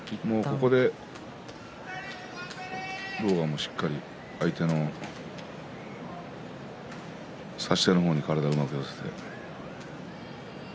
狼雅もしっかり相手の差し手の方に体をうまく寄せて。